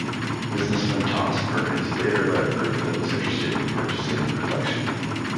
Businessman Thomas Perkins later led a group that was interested in purchasing the collection.